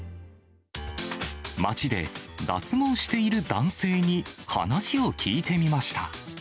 街で脱毛している男性に話を聞いてみました。